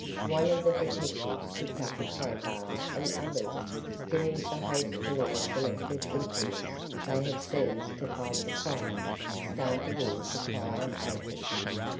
One of the detectives picked up a crowbar and others, still with the hastily selected implements they had seized to fight the fire, started in to pry it open.